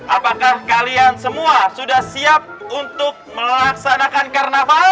apakah kalian semua sudah siap untuk melaksanakan karnaval